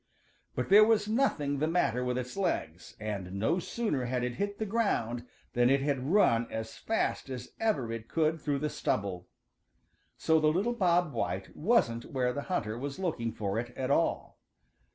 But there was nothing the matter with its legs, and no sooner had it hit the ground than it had run as fast as ever it could through the stubble. So the little Bob White wasn't where the hunter was looking for it at all.